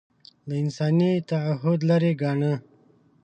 له انساني تعهد لرې ګاڼه